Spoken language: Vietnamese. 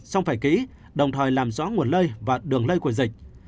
xong phải kỹ đồng thời làm rõ nguồn lây và đường lây của dịch